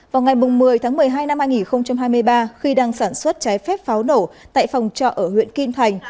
vào ngày một mươi tháng một mươi hai năm hai nghìn hai mươi ba khi đang sản xuất trái phép pháo nổ tại phòng trọ ở huyện kim thành